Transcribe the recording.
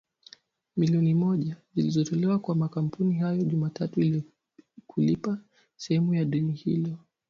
milioni moja ) zilitolewa kwa makampuni hayo Jumatatu kulipa sehemu ya deni hilo